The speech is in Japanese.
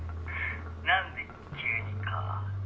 「なんで急にか」